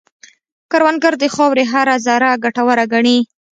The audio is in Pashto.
کروندګر د خاورې هره ذره ګټوره ګڼي